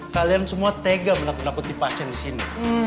kalian semua tega menakuti pasien disini